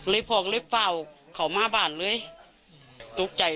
เลยพ่อก็เลยเปล่าเข้ามาบ้านเลย